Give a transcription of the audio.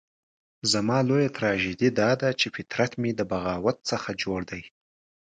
زما لويه تراژیدي داده چې فطرت مې د بغاوت څخه جوړ دی.